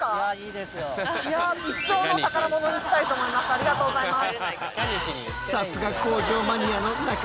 ありがとうございます。